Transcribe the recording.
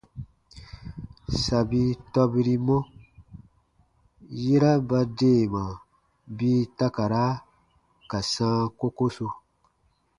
Sabi tɔbirimɔ, yera ba deema bii takara ka sãa kokosu.